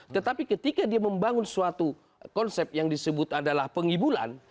tetapi ketika dia membangun suatu konsep yang disebut adalah pengibulan